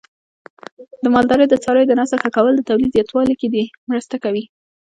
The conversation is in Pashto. د مالدارۍ د څارویو د نسل ښه کول د تولید زیاتوالي کې مرسته کوي.